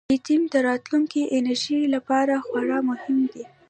لیتیم د راتلونکي انرژۍ لپاره خورا مهم دی.